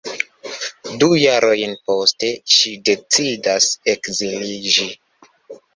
Du jarojn poste ŝi decidas ekziliĝi.